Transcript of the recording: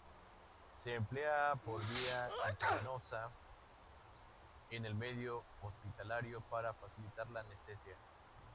Se emplea por vía intravenosa en el medio hospitalario para facilitar la anestesia.